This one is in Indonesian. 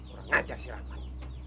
orang ngajar si rahman